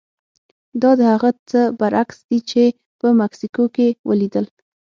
دا د هغه څه برعکس دي چې په مکسیکو کې ولیدل.